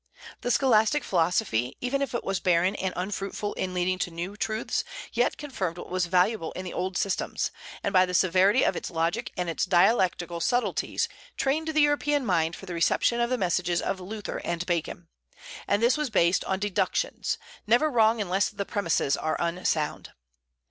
The scholastic philosophy, even if it was barren and unfruitful in leading to new truths, yet confirmed what was valuable in the old systems, and by the severity of its logic and its dialectical subtleties trained the European mind for the reception of the message of Luther and Bacon; and this was based on deductions, never wrong unless the premises are unsound.